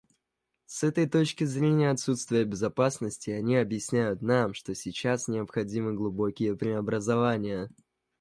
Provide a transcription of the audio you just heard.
С этой точки зрения отсутствия безопасности они объясняют нам, что сейчас необходимы глубокие преобразования.